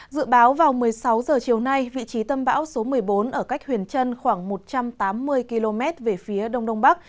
dự báo vào một mươi sáu h chiều nay vị trí tâm bão số một mươi bốn ở cách huyền trân khoảng một trăm tám mươi km về phía đông đông bắc